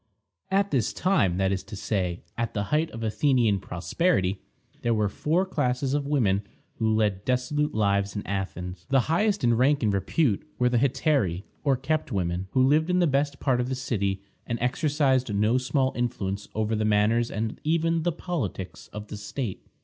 " At this time, that is to say, at the height of Athenian prosperity, there were four classes of women who led dissolute lives at Athens. The highest in rank and repute were the Hetairæ, or kept women, who lived in the best part of the city, and exercised no small influence over the manners and even the politics of the state.